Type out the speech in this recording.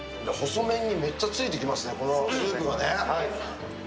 細麺にめっちゃついてきますね、このスープがね。